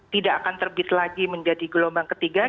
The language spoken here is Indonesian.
tidak akan terbit lagi menjadi gelombang ketiga